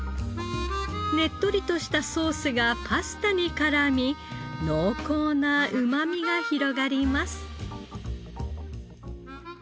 ねっとりとしたソースがパスタに絡み濃厚なうまみが広がります。